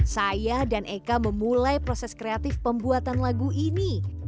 saya dan eka memulai proses kreatif pembuatan lagu ini